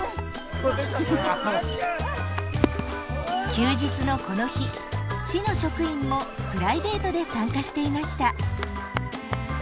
休日のこの日市の職員もプライベートで参加していました。